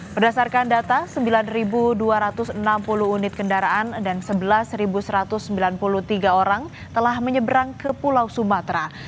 berdasarkan data sembilan dua ratus enam puluh unit kendaraan dan sebelas satu ratus sembilan puluh tiga orang telah menyeberang ke pulau sumatera